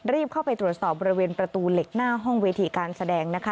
รีบเข้าไปตรวจสอบบริเวณประตูเหล็กหน้าห้องเวทีการแสดงนะคะ